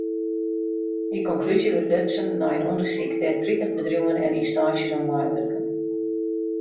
Dy konklúzje wurdt lutsen nei in ûndersyk dêr't tritich bedriuwen en ynstânsjes oan meiwurken.